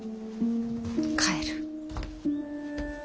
帰る。